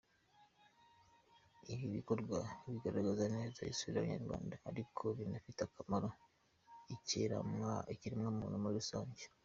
Ni ibikorwa bigaragaza neza isura y’Abanyarwanda ariko binafitiye akamaro ikiremwamuntu muri rusange.